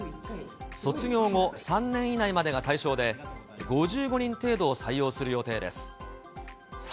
卒業後３年以内までが対象で、５５人程度を採用する予定です。